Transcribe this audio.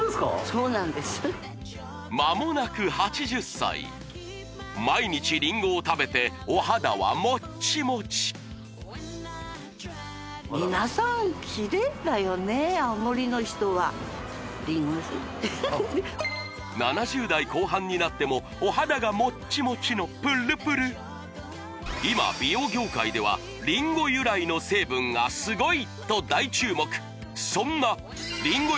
そうなんですまもなく８０歳毎日リンゴを食べてお肌はもっちもち７０代後半になってもお肌がもっちもちのプルプル今美容業界ではリンゴ由来の成分がすごい！と大注目そんなリンゴ